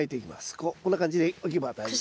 こうこんな感じで置けば大丈夫です。